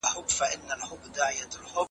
ږیره لرونکي سړي ډوډۍ او مڼه راوړه.